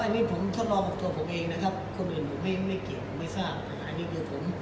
อันนี้คือผมทดลองกับตัวผมเองนะครับผมรู้สึกว่ามันดีขึ้นหรือไม่ได้ขึ้นเลยแล้วนะครับ